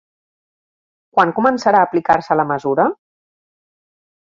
Quan començarà aplicar-se la mesura?